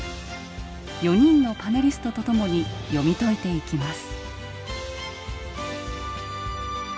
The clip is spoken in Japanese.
４人のパネリストと共に読み解いていきます。